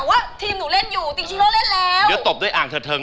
เซียงจับตัวต้อง